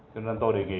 cho nên tôi đề nghị